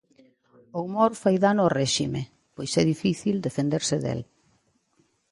O humor fai dano ó réxime, pois é difícil defenderse del.